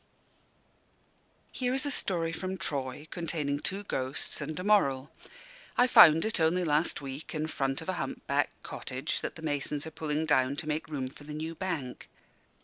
Here is a story from Troy, containing two ghosts and a moral. I found it, only last week, in front of a hump backed cottage that the masons are pulling down to make room for the new Bank.